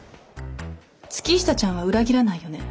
月下ちゃんは裏切らないよね？